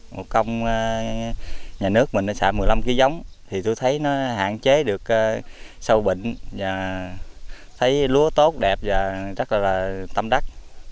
một công nhà nước mình xả một mươi năm kg giống thì tôi thấy nó hạn chế được sâu bệnh và thấy lúa tốt đẹp và rất là tâm đắc